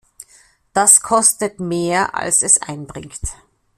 Das kostet mehr, als es einbringt.